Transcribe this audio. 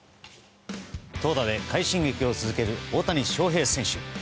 投打で快進撃を続ける大谷翔平選手。